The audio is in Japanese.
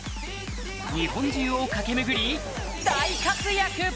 日本中を駆け巡り大活躍！